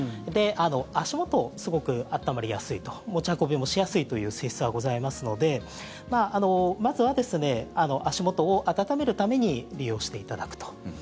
足元、すごく暖まりやすいと持ち運びもしやすいという性質がございますのでまずは、足元を暖めるために利用していただくと。